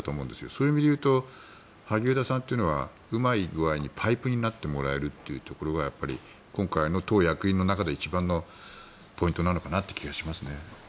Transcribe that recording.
そういう意味で言うと萩生田さんというのはうまい具合にパイプになってもらえるところがやっぱり今回の党役員の中で一番のポイントなのかなという気がします。